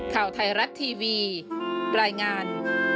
ข่าวไทยรัฐทีวีรายงาน